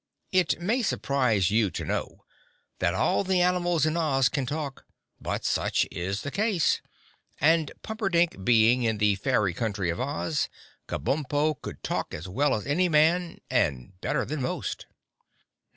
It may surprise you to know that all the animals in Oz can talk, but such is the case, and Pumperdink being in the fairy country of Oz, Kabumpo could talk as well as any man and better than most.